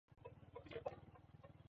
Sema vizuri nikuskie kwa masikio yangu